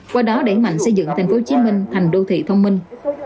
qua đó để mạnh xây dựng tp hcm thành đô thị thông minh